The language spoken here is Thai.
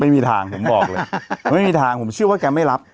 ไม่มีทางผมบอกเลยไม่มีทางผมเชื่อว่าแกไม่รับ